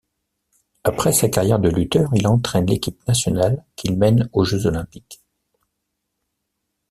Après sa carrière de lutteur, il entraine l'équipe nationale qu'il mène aux Jeux olympiques.